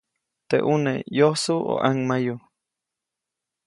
Teʼ ʼune ¿yosu o ʼaŋmayu?